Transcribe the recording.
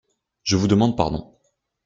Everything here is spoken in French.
Je vous demande pardon.